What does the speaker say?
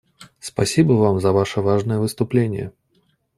Спасибо Вам за Ваше важное выступление.